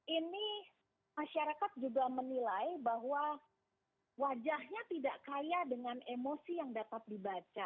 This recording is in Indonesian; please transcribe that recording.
ini masyarakat juga menilai bahwa wajahnya tidak kaya dengan emosi yang dapat dibaca